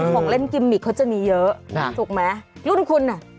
ของเล่นกิมมิกเขาจะมีเยอะถูกไหมรุ่นคุณอ่ะ